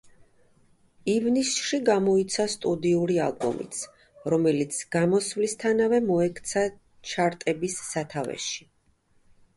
ივნისში გამოიცა სტუდიური ალბომიც, რომელიც გამოსვლისთანავე მოექცა ჩარტების სათავეში.